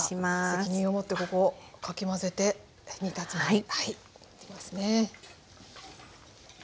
責任を持ってここをかき混ぜて煮立つまでやっていきますね。